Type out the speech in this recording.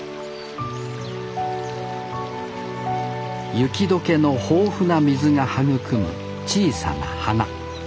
雪解けの豊富な水が育む小さな花